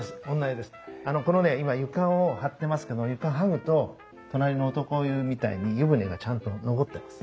あのこのね今床を張ってますけど床剥ぐと隣の男湯みたいに湯船がちゃんと残ってます。